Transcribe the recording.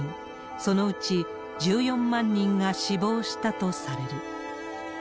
そのうち、１４万人が死亡したとされる。